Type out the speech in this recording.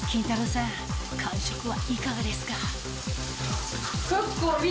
さん感触はいかがですか？